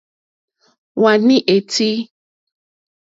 Wàní é tíí.